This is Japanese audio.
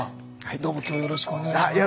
どうも今日よろしくお願いします。